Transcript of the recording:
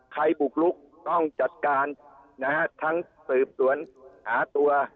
บุกลุกต้องจัดการนะฮะทั้งสืบสวนหาตัว